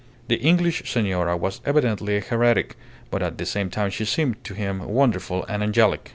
The English senora was evidently a heretic; but at the same time she seemed to him wonderful and angelic.